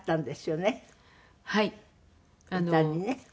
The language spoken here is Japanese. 歌にね。